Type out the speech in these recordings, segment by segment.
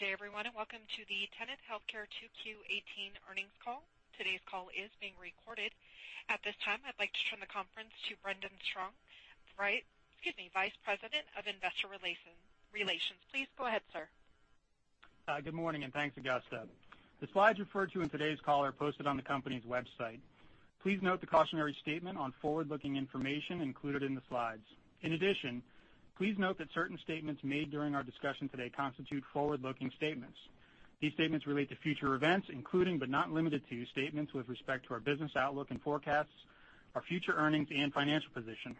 Good day, everyone, and welcome to the Tenet Healthcare 2Q18 earnings call. Today's call is being recorded. At this time, I'd like to turn the conference to Brendan Strong, Vice President of Investor Relations. Please go ahead, sir. Good morning, thanks, Augusta. The slides referred to in today's call are posted on the company's website. Please note the cautionary statement on forward-looking information included in the slides. In addition, please note that certain statements made during our discussion today constitute forward-looking statements. These statements relate to future events, including, but not limited to, statements with respect to our business outlook and forecasts, our future earnings, and financial position.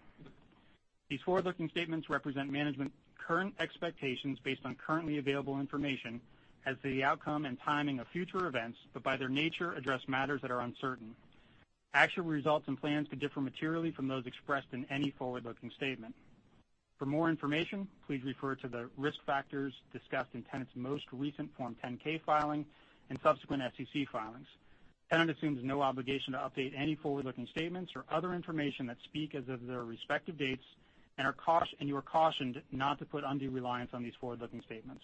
These forward-looking statements represent management's current expectations based on currently available information as to the outcome and timing of future events, but by their nature, address matters that are uncertain. Actual results and plans could differ materially from those expressed in any forward-looking statement. For more information, please refer to the risk factors discussed in Tenet's most recent Form 10-K filing and subsequent SEC filings. Tenet assumes no obligation to update any forward-looking statements or other information that speak as of their respective dates. You are cautioned not to put undue reliance on these forward-looking statements.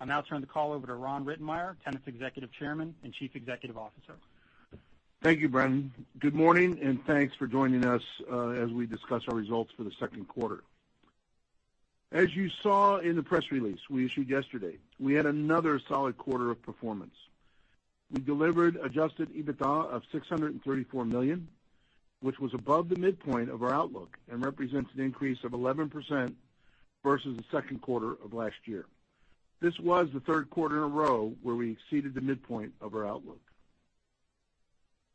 I'll now turn the call over to Ronald Rittenmeyer, Tenet's Executive Chairman and Chief Executive Officer. Thank you, Brendan. Good morning, thanks for joining us as we discuss our results for the second quarter. As you saw in the press release we issued yesterday, we had another solid quarter of performance. We delivered adjusted EBITDA of $634 million, which was above the midpoint of our outlook and represents an increase of 11% versus the second quarter of last year. This was the third quarter in a row where we exceeded the midpoint of our outlook.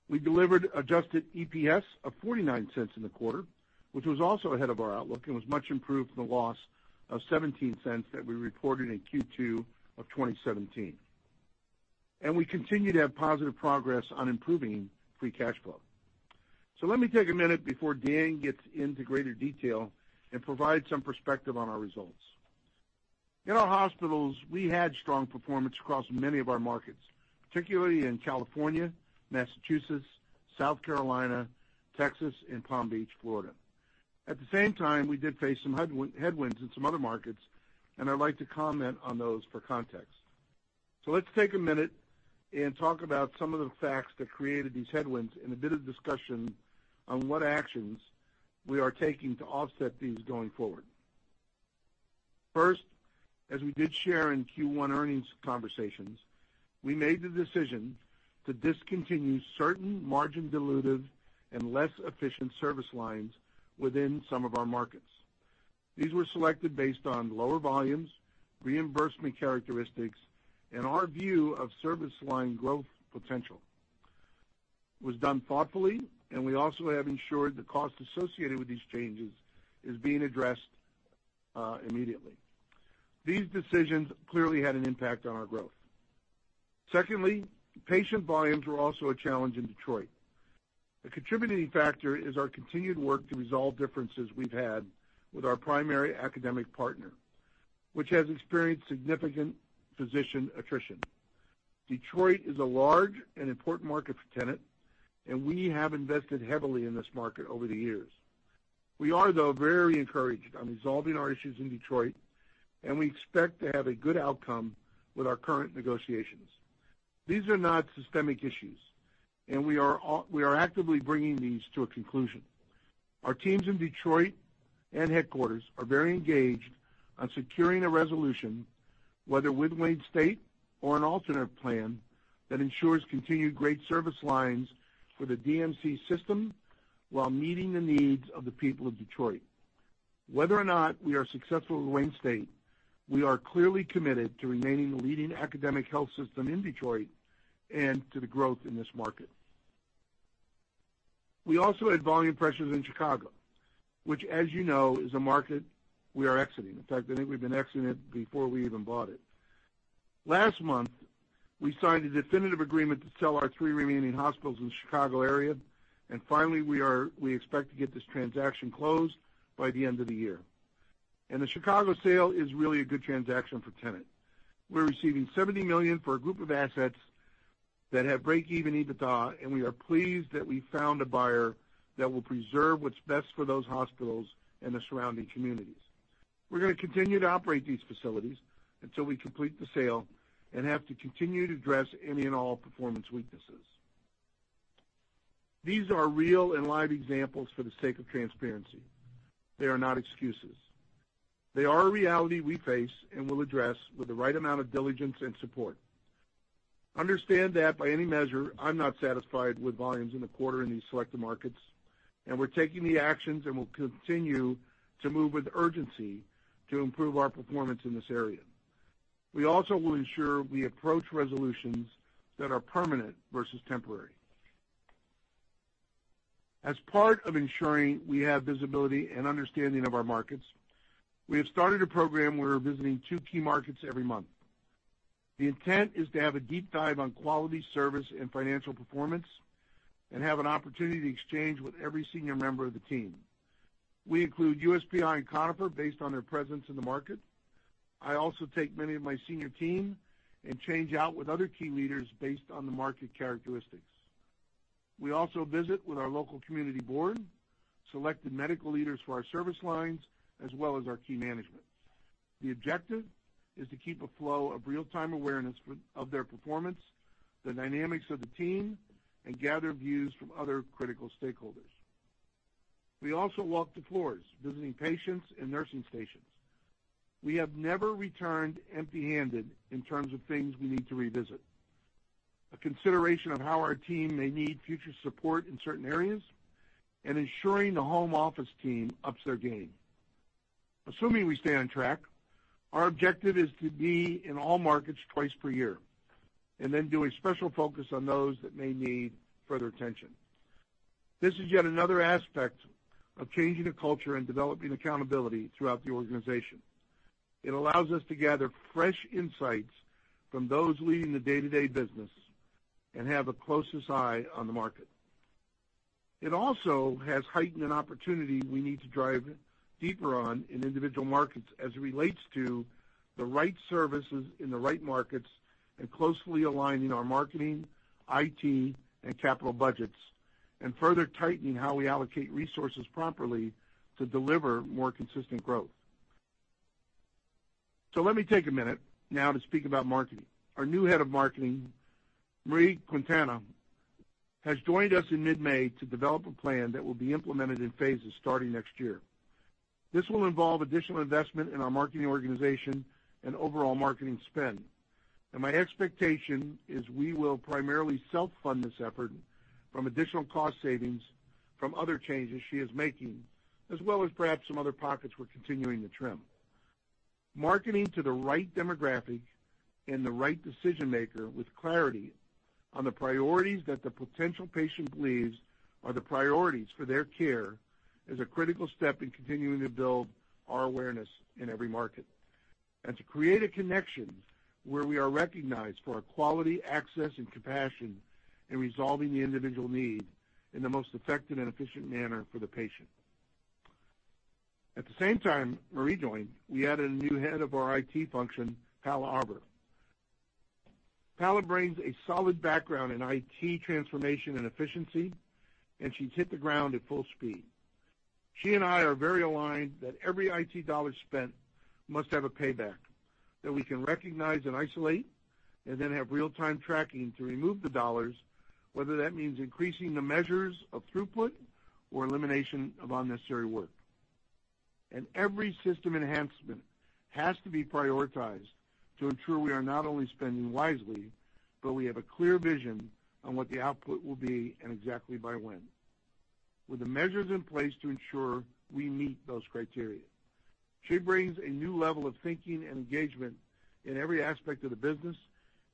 We delivered adjusted EPS of $0.49 in the quarter, which was also ahead of our outlook and was much improved from the loss of $0.17 that we reported in Q2 of 2017. We continue to have positive progress on improving free cash flow. Let me take a minute before Daniel gets into greater detail and provide some perspective on our results. In our hospitals, we had strong performance across many of our markets, particularly in California, Massachusetts, South Carolina, Texas, and Palm Beach, Florida. At the same time, we did face some headwinds in some other markets, and I'd like to comment on those for context. Let's take a minute and talk about some of the facts that created these headwinds and a bit of discussion on what actions we are taking to offset these going forward. First, as we did share in Q1 earnings conversations, we made the decision to discontinue certain margin dilutive and less efficient service lines within some of our markets. These were selected based on lower volumes, reimbursement characteristics, and our view of service line growth potential. It was done thoughtfully, and we also have ensured the cost associated with these changes is being addressed immediately. These decisions clearly had an impact on our growth. Secondly, patient volumes were also a challenge in Detroit. A contributing factor is our continued work to resolve differences we've had with our primary academic partner, which has experienced significant physician attrition. Detroit is a large and important market for Tenet, and we have invested heavily in this market over the years. We are, though, very encouraged on resolving our issues in Detroit, and we expect to have a good outcome with our current negotiations. These are not systemic issues, and we are actively bringing these to a conclusion. Our teams in Detroit and headquarters are very engaged on securing a resolution, whether with Wayne State or an alternate plan that ensures continued great service lines for the DMC system while meeting the needs of the people of Detroit. Whether or not we are successful with Wayne State, we are clearly committed to remaining the leading academic health system in Detroit and to the growth in this market. We also had volume pressures in Chicago, which, as you know, is a market we are exiting. In fact, I think we've been exiting it before we even bought it. Last month, we signed a definitive agreement to sell our three remaining hospitals in the Chicago area. Finally, we expect to get this transaction closed by the end of the year. The Chicago sale is really a good transaction for Tenet. We're receiving $70 million for a group of assets that have break-even EBITDA, and we are pleased that we found a buyer that will preserve what's best for those hospitals and the surrounding communities. We're going to continue to operate these facilities until we complete the sale and have to continue to address any and all performance weaknesses. These are real and live examples for the sake of transparency. They are not excuses. They are a reality we face and will address with the right amount of diligence and support. Understand that by any measure, I'm not satisfied with volumes in the quarter in these selected markets, and we're taking the actions and will continue to move with urgency to improve our performance in this area. We also will ensure we approach resolutions that are permanent versus temporary. As part of ensuring we have visibility and understanding of our markets, we have started a program where we're visiting two key markets every month. The intent is to have a deep dive on quality, service, and financial performance and have an opportunity to exchange with every senior member of the team. We include USPI and Conifer based on their presence in the market. I also take many of my senior team and change out with other key leaders based on the market characteristics. We also visit with our local community board, selected medical leaders for our service lines, as well as our key management. The objective is to keep a flow of real-time awareness of their performance, the dynamics of the team, and gather views from other critical stakeholders. We also walk the floors, visiting patients and nursing stations. We have never returned empty-handed in terms of things we need to revisit, a consideration of how our team may need future support in certain areas, and ensuring the home office team ups their game. Assuming we stay on track, our objective is to be in all markets twice per year, then do a special focus on those that may need further attention. This is yet another aspect of changing the culture and developing accountability throughout the organization. It allows us to gather fresh insights from those leading the day-to-day business and have the closest eye on the market. It also has heightened an opportunity we need to drive deeper on in individual markets as it relates to the right services in the right markets and closely aligning our marketing, IT, and capital budgets, and further tightening how we allocate resources properly to deliver more consistent growth. Let me take a minute now to speak about marketing. Our new head of marketing, Marie Quintana, has joined us in mid-May to develop a plan that will be implemented in phases starting next year. This will involve additional investment in our marketing organization and overall marketing spend. My expectation is we will primarily self-fund this effort from additional cost savings from other changes she is making, as well as perhaps some other pockets we're continuing to trim. Marketing to the right demographic and the right decision-maker with clarity on the priorities that the potential patient believes are the priorities for their care is a critical step in continuing to build our awareness in every market, and to create a connection where we are recognized for our quality, access, and compassion in resolving the individual need in the most effective and efficient manner for the patient. At the same time Marie joined, we added a new head of our IT function, Paola Arbour. Paola brings a solid background in IT transformation and efficiency, and she's hit the ground at full speed. She and I are very aligned that every IT dollar spent must have a payback that we can recognize and isolate, then have real-time tracking to remove the dollars, whether that means increasing the measures of throughput or elimination of unnecessary work. Every system enhancement has to be prioritized to ensure we are not only spending wisely, but we have a clear vision on what the output will be and exactly by when, with the measures in place to ensure we meet those criteria. She brings a new level of thinking and engagement in every aspect of the business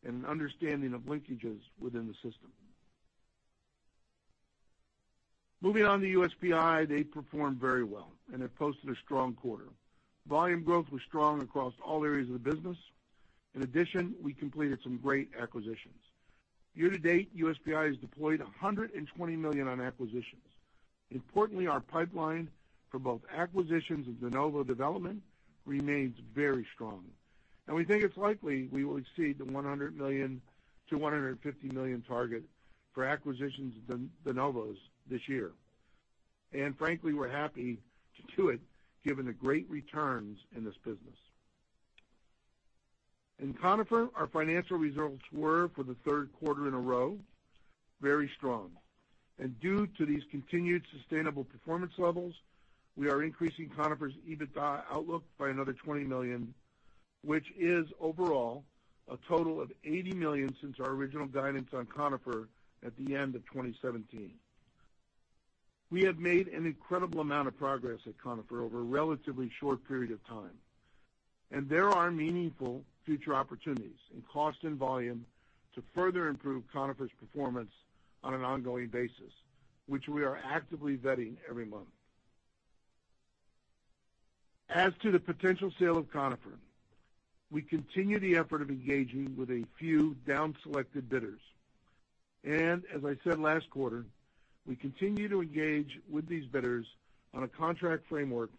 and an understanding of linkages within the system. Moving on to USPI, they performed very well and have posted a strong quarter. Volume growth was strong across all areas of the business. In addition, we completed some great acquisitions. Year to date, USPI has deployed $120 million on acquisitions. Importantly, our pipeline for both acquisitions and de novo development remains very strong, and we think it is likely we will exceed the $100 million-$150 million target for acquisitions and de novos this year. Frankly, we are happy to do it given the great returns in this business. In Conifer, our financial results were, for the third quarter in a row, very strong. Due to these continued sustainable performance levels, we are increasing Conifer's EBITDA outlook by another $20 million, which is overall a total of $80 million since our original guidance on Conifer at the end of 2017. We have made an incredible amount of progress at Conifer over a relatively short period of time, and there are meaningful future opportunities in cost and volume to further improve Conifer's performance on an ongoing basis, which we are actively vetting every month. As to the potential sale of Conifer, we continue the effort of engaging with a few downselected bidders. As I said last quarter, we continue to engage with these bidders on a contract framework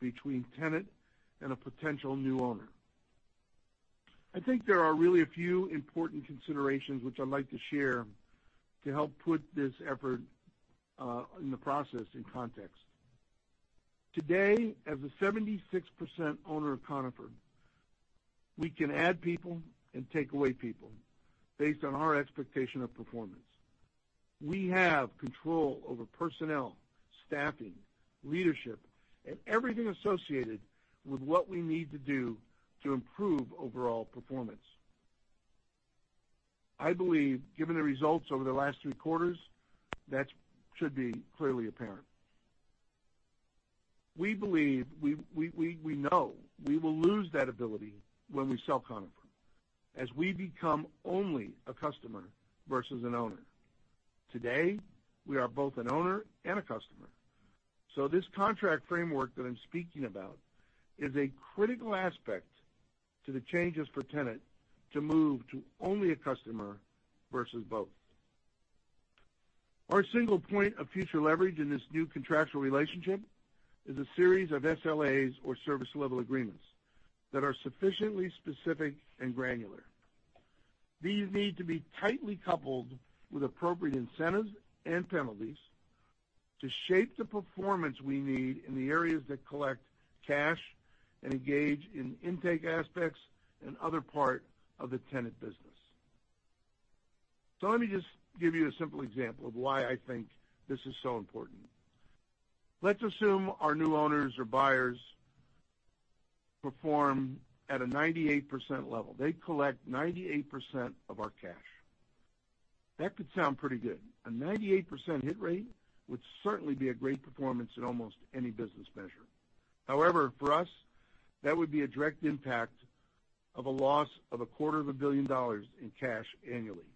between Tenet and a potential new owner. I think there are really a few important considerations which I would like to share to help put this effort in the process in context. Today, as a 76% owner of Conifer, we can add people and take away people based on our expectation of performance. We have control over personnel, staffing, leadership, and everything associated with what we need to do to improve overall performance. I believe, given the results over the last three quarters, that should be clearly apparent. We know we will lose that ability when we sell Conifer, as we become only a customer versus an owner. Today, we are both an owner and a customer. This contract framework that I am speaking about is a critical aspect to the changes for Tenet to move to only a customer versus both. Our single point of future leverage in this new contractual relationship is a series of SLAs or service level agreements that are sufficiently specific and granular. These need to be tightly coupled with appropriate incentives and penalties to shape the performance we need in the areas that collect cash and engage in intake aspects and other part of the Tenet business. Let me just give you a simple example of why I think this is so important. Let's assume our new owners or buyers perform at a 98% level. They collect 98% of our cash. That could sound pretty good. A 98% hit rate would certainly be a great performance in almost any business measure. However, for us, that would be a direct impact of a loss of a quarter of a billion dollars in cash annually.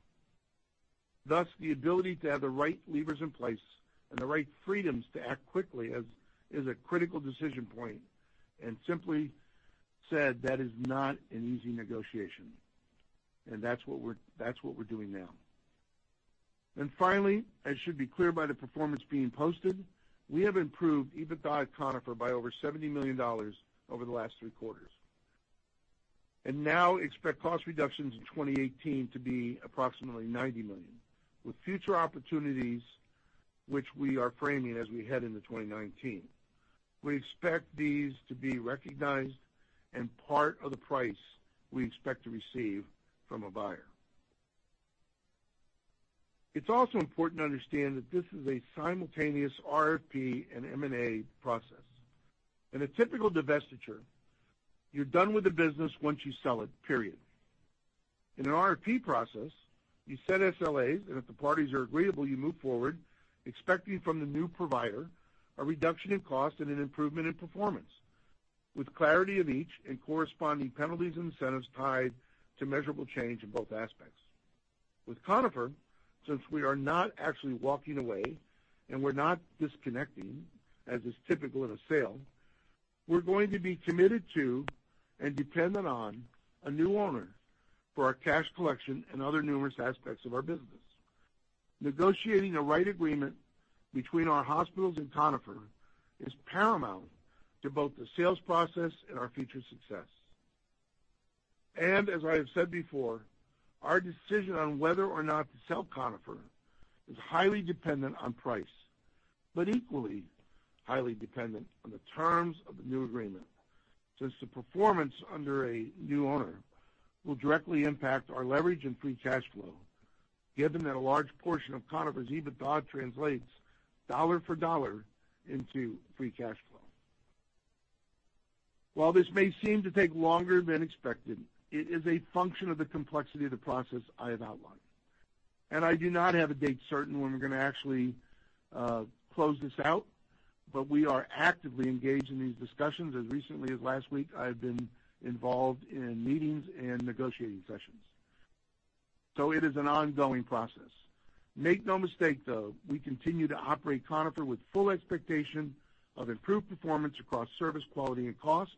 Thus, the ability to have the right levers in place and the right freedoms to act quickly is a critical decision point and simply said, that is not an easy negotiation. That is what we are doing now. Finally, as should be clear by the performance being posted, we have improved EBITDA at Conifer by over $70 million over the last three quarters. Now expect cost reductions in 2018 to be approximately $90 million, with future opportunities which we are framing as we head into 2019. We expect these to be recognized and part of the price we expect to receive from a buyer. It is also important to understand that this is a simultaneous RFP and M&A process. In a typical divestiture, you're done with the business once you sell it, period. In an RFP process, you set SLAs. If the parties are agreeable, you move forward, expecting from the new provider a reduction in cost and an improvement in performance, with clarity of each and corresponding penalties and incentives tied to measurable change in both aspects. With Conifer, since we are not actually walking away, we're not disconnecting, as is typical in a sale, we're going to be committed to and dependent on a new owner for our cash collection and other numerous aspects of our business. Negotiating the right agreement between our hospitals and Conifer is paramount to both the sales process and our future success. As I have said before, our decision on whether or not to sell Conifer is highly dependent on price, but equally highly dependent on the terms of the new agreement, since the performance under a new owner will directly impact our leverage and free cash flow, given that a large portion of Conifer's EBITDA translates dollar for dollar into free cash flow. While this may seem to take longer than expected, it is a function of the complexity of the process I have outlined. I do not have a date certain when we're going to actually close this out, but we are actively engaged in these discussions. As recently as last week, I have been involved in meetings and negotiating sessions. It is an ongoing process. Make no mistake, though, we continue to operate Conifer with full expectation of improved performance across service quality and cost.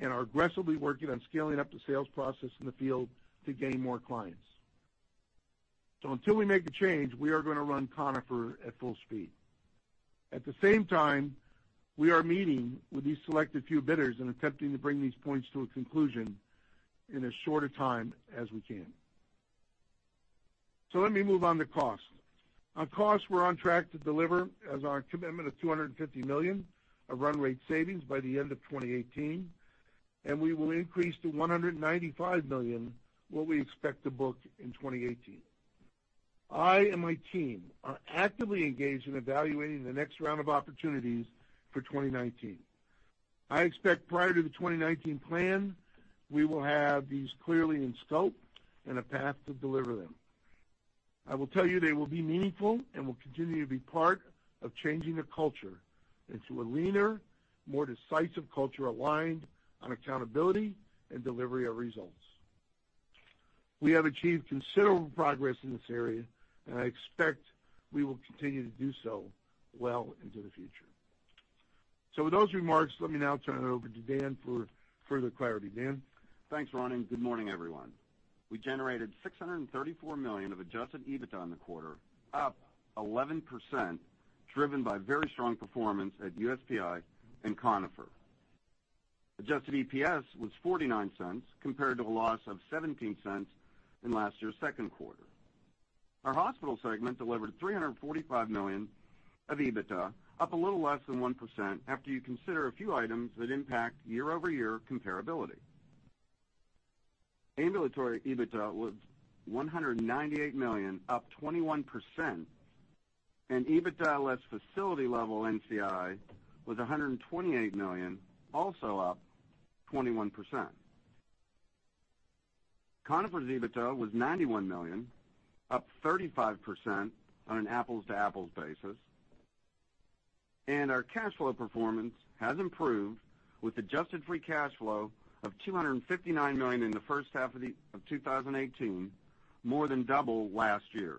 We are aggressively working on scaling up the sales process in the field to gain more clients. Until we make a change, we are going to run Conifer at full speed. At the same time, we are meeting with these selected few bidders and attempting to bring these points to a conclusion in as short a time as we can. Let me move on to cost. On cost, we're on track to deliver as our commitment of $250 million of run rate savings by the end of 2018, and we will increase to $195 million what we expect to book in 2018. I and my team are actively engaged in evaluating the next round of opportunities for 2019. I expect prior to the 2019 plan, we will have these clearly in scope and a path to deliver them. I will tell you they will be meaningful and will continue to be part of changing the culture into a leaner, more decisive culture aligned on accountability and delivery of results. We have achieved considerable progress in this area. I expect we will continue to do so well into the future. With those remarks, let me now turn it over to Daniel for further clarity. Daniel? Thanks, Ronald. Good morning, everyone. We generated $634 million of adjusted EBITDA in the quarter, up 11%, driven by very strong performance at USPI and Conifer. Adjusted EPS was $0.49 compared to a loss of $0.17 in last year's second quarter. Our hospital segment delivered $345 million of EBITDA, up a little less than 1% after you consider a few items that impact year-over-year comparability. Ambulatory EBITDA was $198 million, up 21%, and EBITDA less facility level NCI was $128 million, also up 21%. Conifer's EBITDA was $91 million, up 35% on an apples-to-apples basis. Our cash flow performance has improved with adjusted free cash flow of $259 million in the first half of 2018, more than double last year.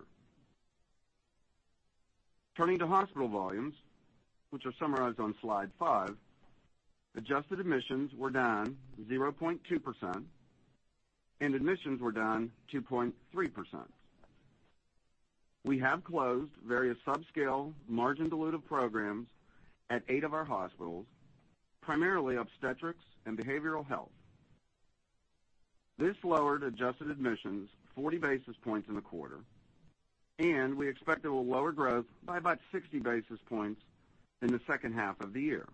Turning to hospital volumes, which are summarized on slide five, adjusted admissions were down 0.2%, and admissions were down 2.3%. We have closed various subscale margin dilutive programs at eight of our hospitals, primarily obstetrics and behavioral health. This lowered adjusted admissions 40 basis points in the quarter, and we expect it will lower growth by about 60 basis points in the second half of the year.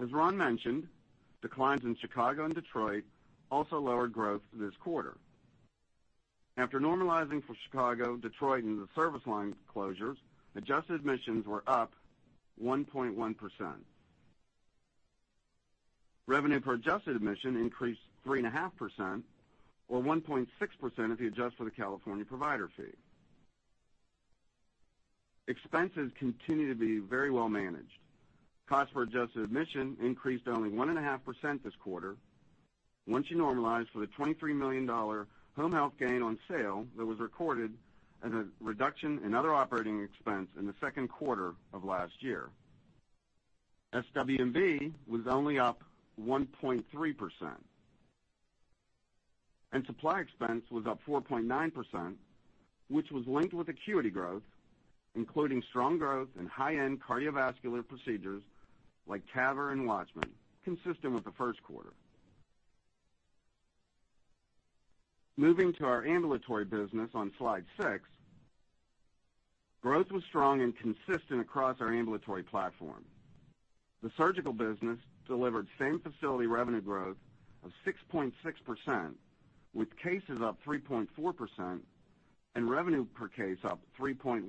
As Ronald mentioned, declines in Chicago and Detroit also lowered growth this quarter. After normalizing for Chicago, Detroit, and the service line closures, adjusted admissions were up 1.1%. Revenue per adjusted admission increased 3.5%, or 1.6% if you adjust for the California provider fee. Expenses continue to be very well managed. Cost per adjusted admission increased only 1.5% this quarter, once you normalize for the $23 million home health gain on sale that was recorded as a reduction in other operating expense in the second quarter of last year. SWB was only up 1.3%. Supply expense was up 4.9%, which was linked with acuity growth, including strong growth in high-end cardiovascular procedures like TAVR and WATCHMAN, consistent with the first quarter. Moving to our ambulatory business on slide six, growth was strong and consistent across our ambulatory platform. The surgical business delivered same-facility revenue growth of 6.6%, with cases up 3.4% and revenue per case up 3.1%.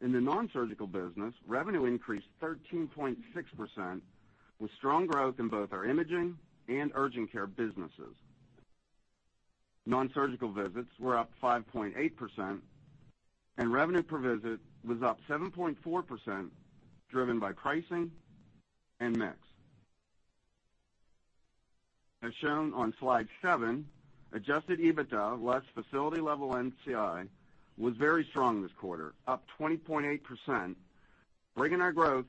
In the nonsurgical business, revenue increased 13.6%, with strong growth in both our imaging and urgent care businesses. Nonsurgical visits were up 5.8%, and revenue per visit was up 7.4%, driven by pricing and mix. As shown on slide seven, adjusted EBITDA less facility level NCI was very strong this quarter, up 20.8%, bringing our growth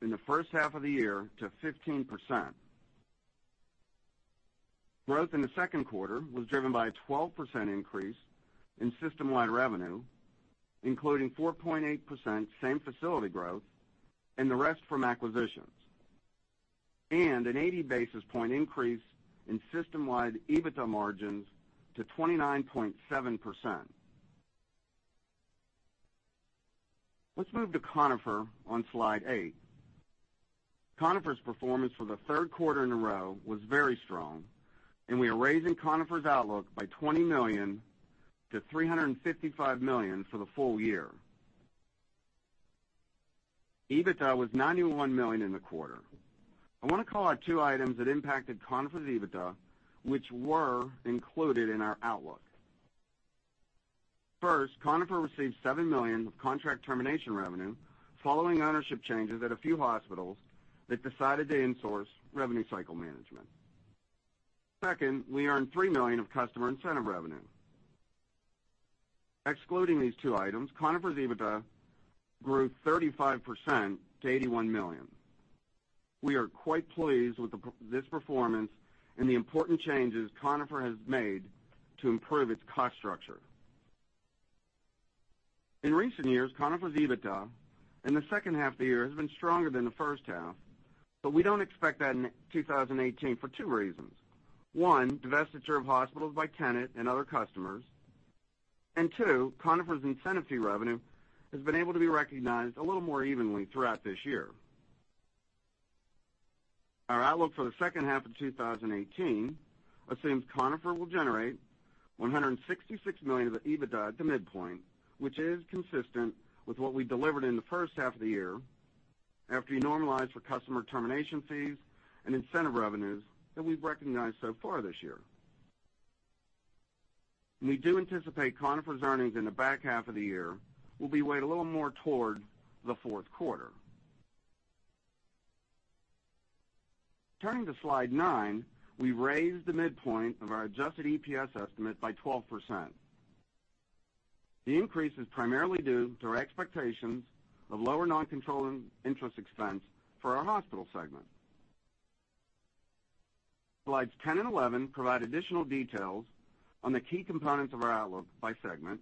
in the first half of the year to 15%. Growth in the second quarter was driven by a 12% increase in systemwide revenue, including 4.8% same-facility growth and the rest from acquisitions, and an 80 basis point increase in systemwide EBITDA margins to 29.7%. Let's move to Conifer on slide eight. Conifer's performance for the third quarter in a row was very strong. We are raising Conifer's outlook by $20 million to $355 million for the full year. EBITDA was $91 million in the quarter. I want to call out two items that impacted Conifer's EBITDA, which were included in our outlook. First, Conifer received $7 million of contract termination revenue following ownership changes at a few hospitals that decided to in-source revenue cycle management. Second, we earned $3 million of customer incentive revenue. Excluding these two items, Conifer's EBITDA grew 35% to $81 million. We are quite pleased with this performance and the important changes Conifer has made to improve its cost structure. In recent years, Conifer's EBITDA in the second half of the year has been stronger than the first half, but we don't expect that in 2018 for two reasons. One, divestiture of hospitals by Tenet and other customers, and two, Conifer's incentive fee revenue has been able to be recognized a little more evenly throughout this year. Our outlook for the second half of 2018 assumes Conifer will generate $166 million of EBITDA at the midpoint, which is consistent with what we delivered in the first half of the year, after you normalize for customer termination fees and incentive revenues that we've recognized so far this year. We do anticipate Conifer's earnings in the back half of the year will be weighed a little more toward the fourth quarter. Turning to slide nine, we raised the midpoint of our adjusted EPS estimate by 12%. The increase is primarily due to our expectations of lower noncontrolling interest expense for our hospital segment. Slides 10 and 11 provide additional details on the key components of our outlook by segment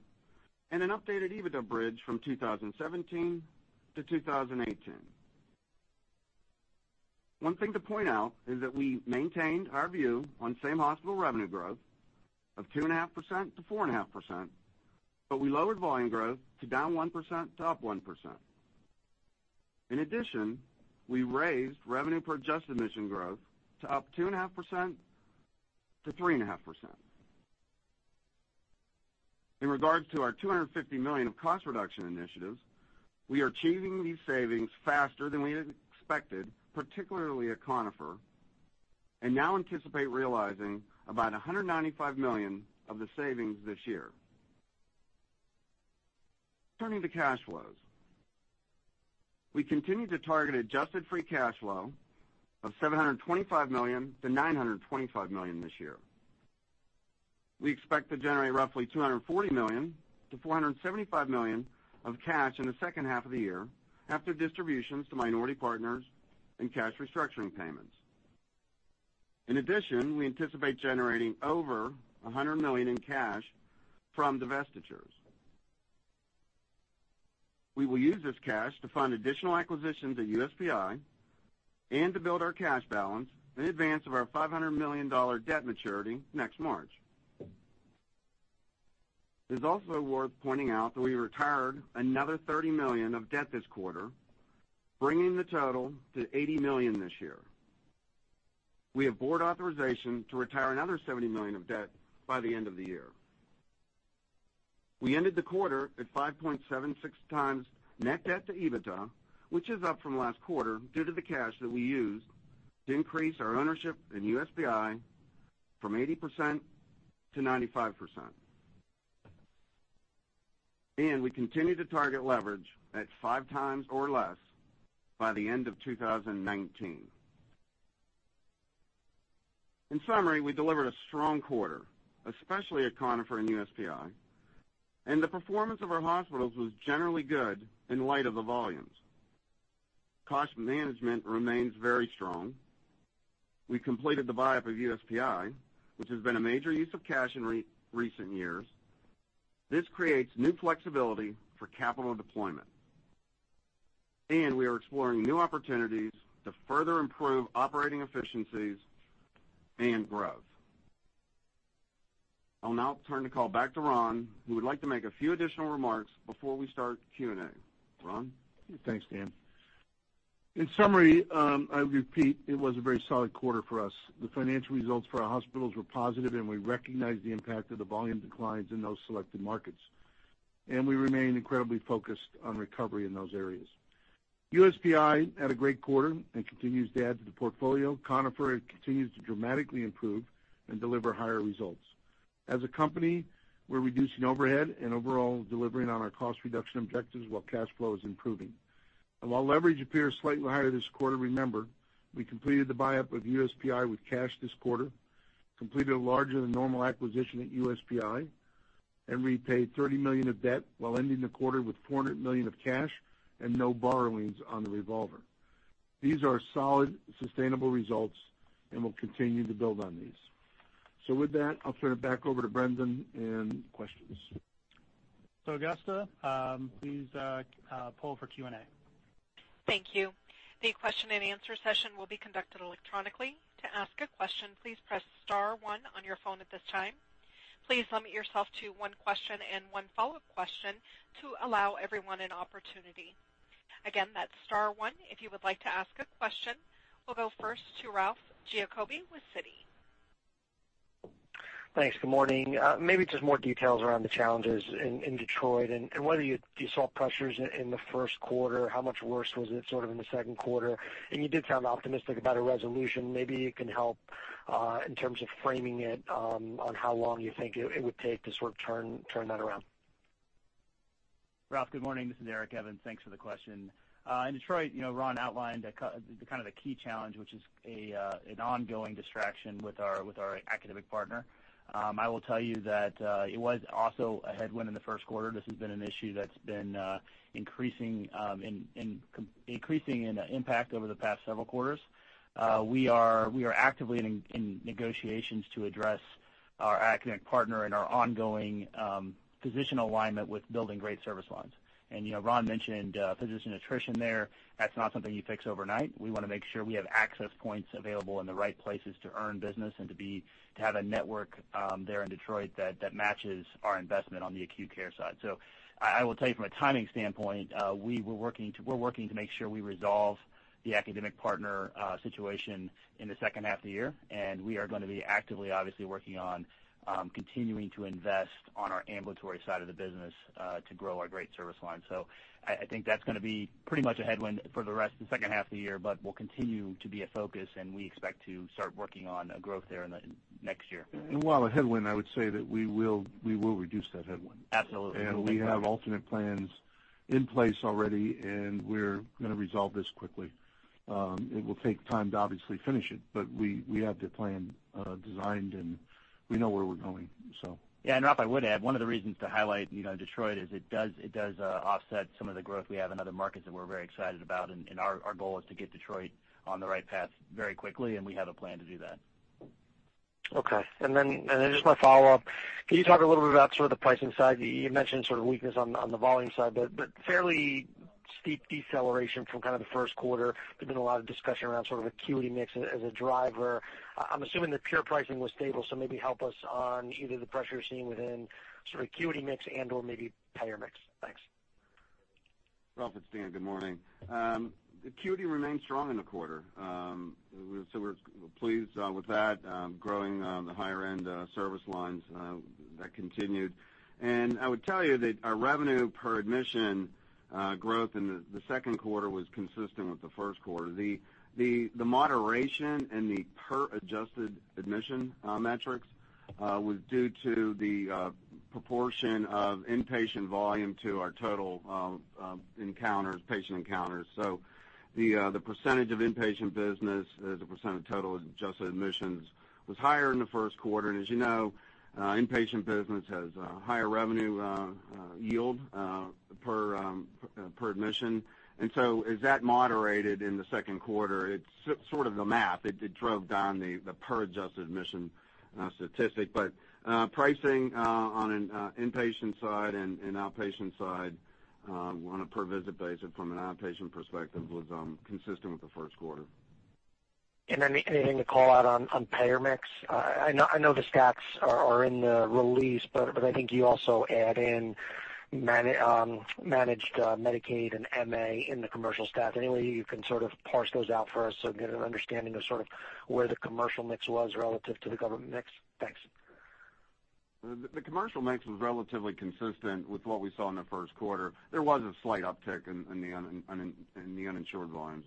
and an updated EBITDA bridge from 2017 to 2018. One thing to point out is that we maintained our view on same-hospital revenue growth of 2.5%-4.5%, but we lowered volume growth to down 1%-up 1%. In addition, we raised revenue per adjusted admission growth to up 2.5%-3.5%. In regards to our $250 million of cost reduction initiatives, we are achieving these savings faster than we had expected, particularly at Conifer, and now anticipate realizing about $195 million of the savings this year. Turning to cash flows, we continue to target adjusted free cash flow of $725 million-$925 million this year. We expect to generate roughly $240 million-$475 million of cash in the second half of the year after distributions to minority partners and cash restructuring payments. In addition, we anticipate generating over $100 million in cash from divestitures. We will use this cash to fund additional acquisitions at USPI and to build our cash balance in advance of our $500 million debt maturity next March. It's also worth pointing out that we retired another $30 million of debt this quarter, bringing the total to $80 million this year. We have board authorization to retire another $70 million of debt by the end of the year. We ended the quarter at 5.76 times net debt to EBITDA, which is up from last quarter due to the cash that we used to increase our ownership in USPI from 80%-95%. We continue to target leverage at five times or less by the end of 2019. In summary, we delivered a strong quarter, especially at Conifer and USPI, and the performance of our hospitals was generally good in light of the volumes. Cost management remains very strong. We completed the buy-up of USPI, which has been a major use of cash in recent years. This creates new flexibility for capital deployment. We are exploring new opportunities to further improve operating efficiencies and growth. I'll now turn the call back to Ronald, who would like to make a few additional remarks before we start Q&A. Ronald? Thanks, Daniel. In summary, I repeat, it was a very solid quarter for us. The financial results for our hospitals were positive, and we recognize the impact of the volume declines in those selected markets. We remain incredibly focused on recovery in those areas. USPI had a great quarter and continues to add to the portfolio. Conifer continues to dramatically improve and deliver higher results. As a company, we're reducing overhead and overall delivering on our cost reduction objectives while cash flow is improving. While leverage appears slightly higher this quarter, remember, we completed the buy-up of USPI with cash this quarter, completed a larger than normal acquisition at USPI, and repaid $30 million of debt while ending the quarter with $400 million of cash and no borrowings on the revolver. These are solid, sustainable results, and we'll continue to build on these. With that, I'll turn it back over to Brendan and questions. Augusta, please poll for Q&A. Thank you. The question and answer session will be conducted electronically. To ask a question, please press *1 on your phone at this time. Please limit yourself to one question and one follow-up question to allow everyone an opportunity. Again, that's *1 if you would like to ask a question. We'll go first to Ralph Giacobbe with Citi. Thanks. Good morning. Maybe just more details around the challenges in Detroit and whether you saw pressures in the first quarter, how much worse was it sort of in the second quarter? You did sound optimistic about a resolution. Maybe you can help in terms of framing it on how long you think it would take to sort of turn that around. Ralph, good morning. This is Eric Evans. Thanks for the question. In Detroit, Ronald outlined kind of the key challenge, which is an ongoing distraction with our academic partner. I will tell you that it was also a headwind in the first quarter. This has been an issue that's been increasing in impact over the past several quarters. We are actively in negotiations to address our academic partner and our ongoing physician alignment with building great service lines. Ronald mentioned physician attrition there. That's not something you fix overnight. We want to make sure we have access points available in the right places to earn business and to have a network there in Detroit that matches our investment on the acute care side. I will tell you from a timing standpoint, we're working to make sure we resolve the academic partner situation in the second half of the year. We are going to be actively, obviously, working on continuing to invest on our ambulatory side of the business to grow our great service lines. I think that's going to be pretty much a headwind for the rest of the second half of the year, but will continue to be a focus. We expect to start working on growth there in the next year. While a headwind, I would say that we will reduce that headwind. Absolutely. We have alternate plans in place already, and we're going to resolve this quickly. It will take time to obviously finish it, we have the plan designed, and we know where we're going. Ralph, I would add, one of the reasons to highlight Detroit is it does offset some of the growth we have in other markets that we're very excited about, and our goal is to get Detroit on the right path very quickly, and we have a plan to do that. Then just my follow-up, can you talk a little bit about sort of the pricing side? You mentioned sort of weakness on the volume side, but fairly steep deceleration from kind of the first quarter. There's been a lot of discussion around sort of acuity mix as a driver. I'm assuming that pure pricing was stable, so maybe help us on either the pressures seen within sort of acuity mix and/or maybe payer mix. Thanks. Ralph, it's Dan. Good morning. Acuity remained strong in the quarter. We're pleased with that. Growing the higher-end service lines, that continued. I would tell you that our revenue per admission growth in the second quarter was consistent with the first quarter. The moderation in the per adjusted admission metrics was due to the proportion of inpatient volume to our total patient encounters. The percentage of inpatient business as a percent of total adjusted admissions was higher in the first quarter. As you know, inpatient business has a higher revenue yield per admission. As that moderated in the second quarter, it's sort of the math. It drove down the per adjusted admission statistic. Pricing on an inpatient side and outpatient side on a per visit basis from an outpatient perspective was consistent with the first quarter. Anything to call out on payer mix? I know the stats are in the release, but I think you also add in managed Medicaid and MA in the commercial stat. Any way you can sort of parse those out for us so we can get an understanding of where the commercial mix was relative to the government mix? Thanks. The commercial mix was relatively consistent with what we saw in the first quarter. There was a slight uptick in the uninsured volumes.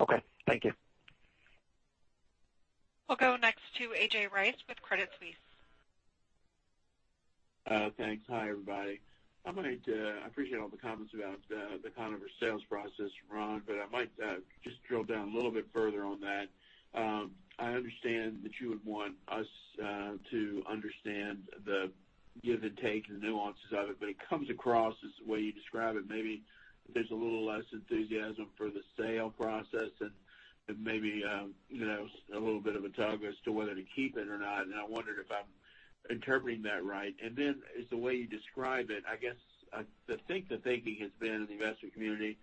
Okay. Thank you. We'll go next to A.J. Rice with Credit Suisse. Thanks. Hi, everybody. I appreciate all the comments about the Conifer sales process, Ronald, I might just drill down a little bit further on that. I understand that you would want us to understand the give and take and the nuances of it comes across as the way you describe it, maybe there's a little less enthusiasm for the sale process and maybe, a little bit of a tug as to whether to keep it or not, and I wondered if I'm interpreting that right. As the way you describe it, I guess I think the thinking has been in the investor community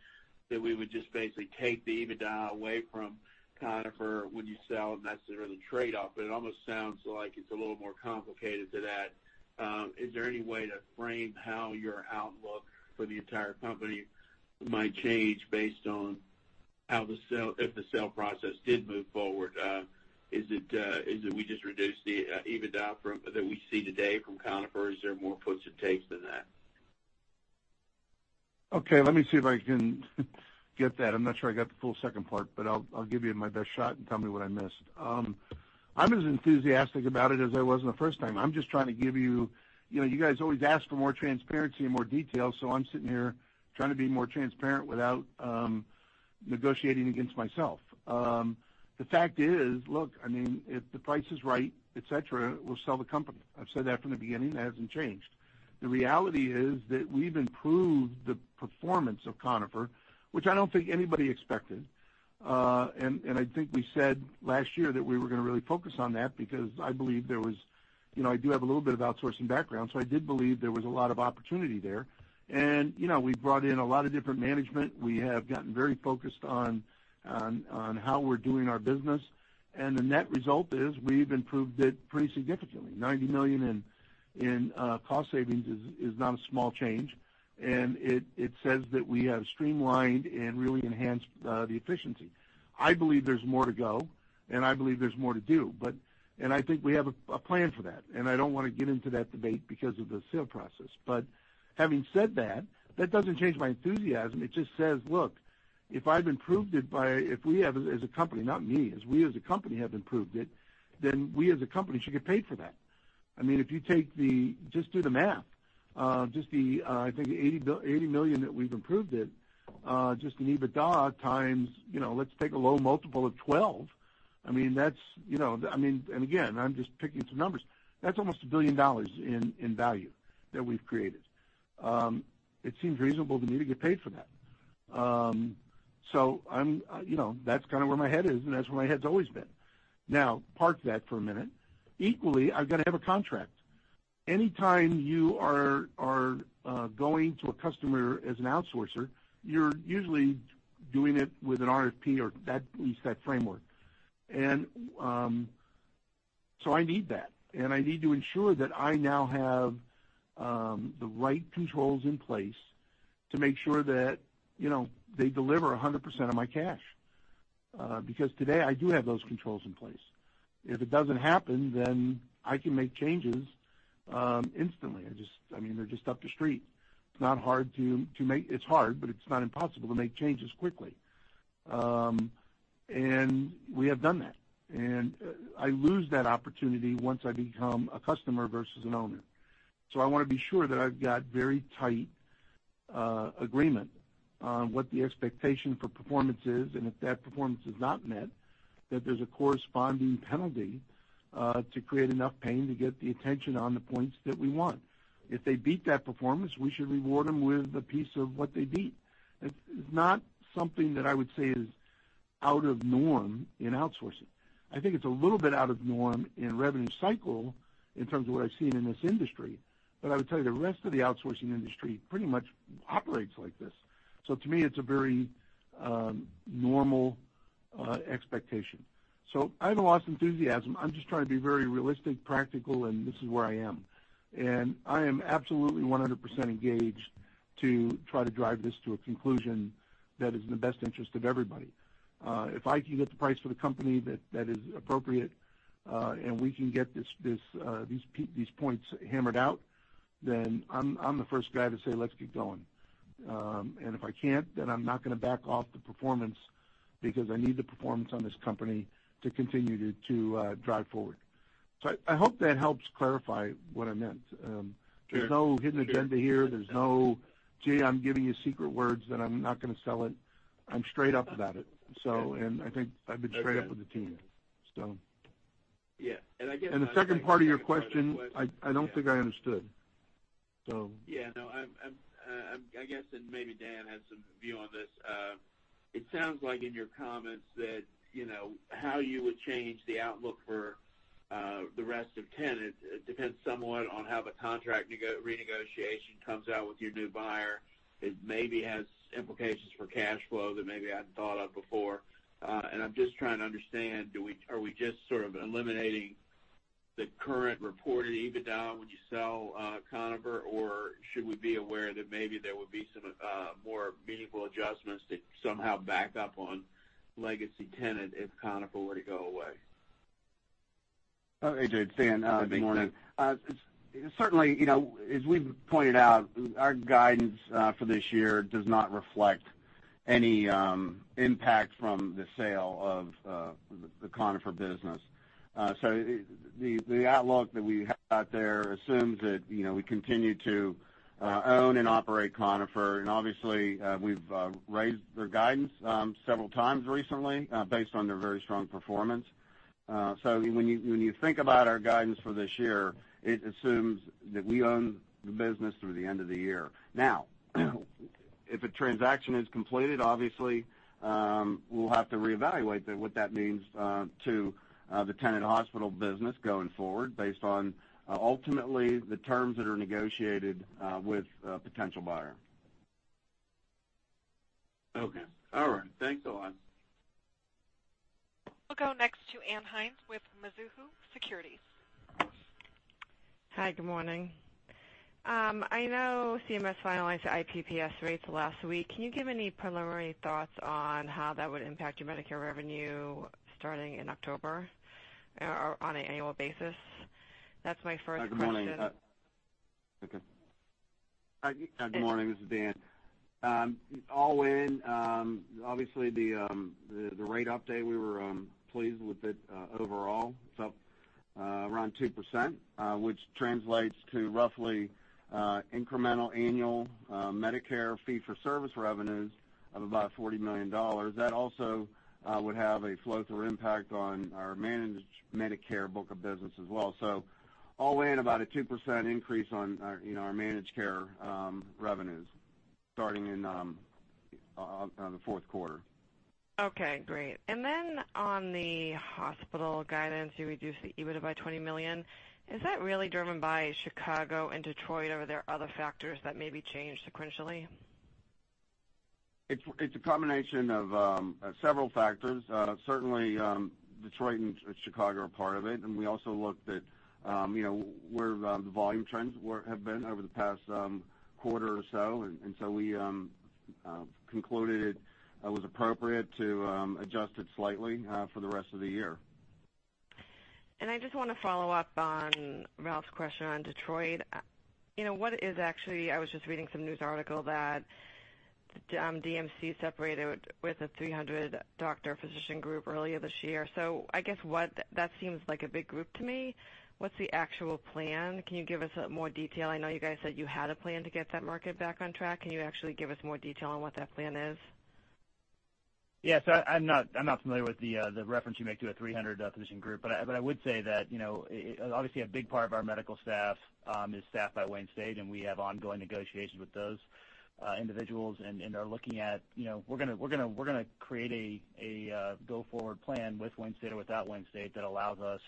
that we would just basically take the EBITDA away from Conifer when you sell, and that's the real trade-off. It almost sounds like it's a little more complicated than that. Is there any way to frame how your outlook for the entire company might change based on if the sale process did move forward? Is it we just reduce the EBITDA that we see today from Conifer, is there more gives and takes than that? Okay. Let me see if I can get that. I'm not sure I got the full second part, I'll give you my best shot and tell me what I missed. I'm as enthusiastic about it as I was the first time. I'm just trying to give you. You guys always ask for more transparency and more detail, I'm sitting here trying to be more transparent without negotiating against myself. The fact is, look, if the price is right, et cetera, we'll sell the company. I've said that from the beginning, that hasn't changed. The reality is that we've improved the performance of Conifer, which I don't think anybody expected. I think we said last year that we were going to really focus on that because I do have a little bit of outsourcing background, I did believe there was a lot of opportunity there. We've brought in a lot of different management. We have gotten very focused on how we're doing our business, the net result is we've improved it pretty significantly. $90 million in cost savings is not a small change, it says that we have streamlined and really enhanced the efficiency. I believe there's more to go, I believe there's more to do. I think we have a plan for that, I don't want to get into that debate because of the sale process. Having said that doesn't change my enthusiasm. It just says, look, if we as a company have improved it, then we as a company should get paid for that. If you just do the math, just the 80 million that we've improved it, just in EBITDA times, let's take a low multiple of 12. Again, I'm just picking some numbers. That's almost $1 billion in value that we've created. It seems reasonable to me to get paid for that. That's kind of where my head is, and that's where my head's always been. Park that for a minute. Equally, I've got to have a contract. Anytime you are going to a customer as an outsourcer, you're usually doing it with an RFP or at least that framework. I need that, and I need to ensure that I now have the right controls in place to make sure that they deliver 100% of my cash. Today, I do have those controls in place. If it doesn't happen, I can make changes instantly. They're just up the street. It's hard, but it's not impossible to make changes quickly. We have done that, and I lose that opportunity once I become a customer versus an owner. I want to be sure that I've got very tight agreement on what the expectation for performance is, and if that performance is not met, that there's a corresponding penalty, to create enough pain to get the attention on the points that we want. If they beat that performance, we should reward them with a piece of what they beat. It's not something that I would say is out of norm in outsourcing. I think it's a little bit out of norm in revenue cycle in terms of what I've seen in this industry. I would tell you, the rest of the outsourcing industry pretty much operates like this. To me, it's a very normal expectation. I haven't lost enthusiasm. I'm just trying to be very realistic, practical, and this is where I am. I am absolutely 100% engaged to try to drive this to a conclusion that is in the best interest of everybody. If I can get the price for the company that is appropriate, and we can get these points hammered out, I'm the first guy to say, "Let's get going." If I can't, I'm not going to back off the performance because I need the performance on this company to continue to drive forward. I hope that helps clarify what I meant. Sure. There's no hidden agenda here. There's no, "A.J. Rice, I'm giving you secret words that I'm not going to sell it." I'm straight up about it. Okay. I think I've been straight up with the team. Yeah. The second part of your question, I don't think I understood. Yeah. No, I'm guessing, maybe Daniel has some view on this. It sounds like in your comments that, how you would change the outlook. The rest of Tenet depends somewhat on how the contract renegotiation comes out with your new buyer. It maybe has implications for cash flow that maybe I hadn't thought of before. I'm just trying to understand, are we just sort of eliminating the current reported EBITDA when you sell Conifer, or should we be aware that maybe there would be some more meaningful adjustments that somehow back up on legacy Tenet if Conifer were to go away? Hey, Daniel. Good morning. Certainly, as we've pointed out, our guidance for this year does not reflect any impact from the sale of the Conifer business. The outlook that we have out there assumes that we continue to own and operate Conifer. Obviously, we've raised their guidance several times recently based on their very strong performance. When you think about our guidance for this year, it assumes that we own the business through the end of the year. Now, if a transaction is completed, obviously, we'll have to reevaluate what that means to the Tenet hospital business going forward based on ultimately the terms that are negotiated with a potential buyer. Okay. All right. Thanks a lot. We'll go next to Ann Hynes with Mizuho Securities. Hi, good morning. I know CMS finalized the IPPS rates last week. Can you give any preliminary thoughts on how that would impact your Medicare revenue starting in October on an annual basis? That's my first question. Hi, good morning. This is Daniel. All in, obviously, the rate update, we were pleased with it overall. It's up around 2%, which translates to roughly incremental annual Medicare fee-for-service revenues of about $40 million. That also would have a flow-through impact on our managed Medicare book of business as well. All in, about a 2% increase on our managed care revenues starting in the fourth quarter. Okay, great. Then on the hospital guidance, you reduced the EBITDA by $20 million. Is that really driven by Chicago and Detroit, or are there other factors that maybe change sequentially? It's a combination of several factors. Certainly, Detroit and Chicago are part of it. We also looked at where the volume trends have been over the past quarter or so. We concluded it was appropriate to adjust it slightly for the rest of the year. I just want to follow up on Ralph's question on Detroit. I was just reading some news article that DMC separated with a 300-doctor physician group earlier this year. I guess that seems like a big group to me. What's the actual plan? Can you give us more detail? I know you guys said you had a plan to get that market back on track. Can you actually give us more detail on what that plan is? Yes. I'm not familiar with the reference you make to a 300-physician group. I would say that obviously a big part of our medical staff is staffed by Wayne State, and we have ongoing negotiations with those individuals, and we're going to create a go-forward plan with Wayne State or without Wayne State that allows us